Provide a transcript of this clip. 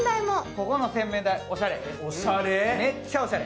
ここの洗面台、めっちゃおしゃれ。